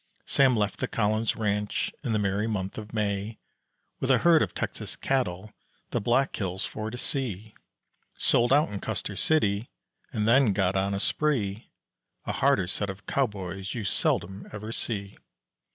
Sam left the Collin's ranch in the merry month of May With a herd of Texas cattle the Black Hills for to see, Sold out in Custer City and then got on a spree, A harder set of cowboys you seldom ever see.